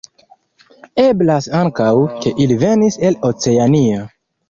Eblas ankaŭ, ke ili venis el Oceanio.